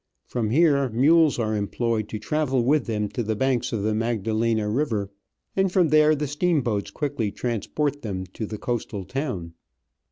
From here mules are employed to travel with them to the banks of the Magdalena river, and from there the steamboats quickly trans port them to the coastal town.